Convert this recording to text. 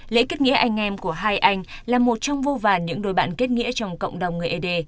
lễ kết nghĩa anh em của hai anh là một trong vô vàn những đôi bạn kết nghĩa trong cộng đồng người ế đê